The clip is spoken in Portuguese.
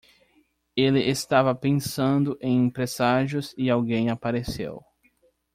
Ele estava pensando em presságios e alguém apareceu.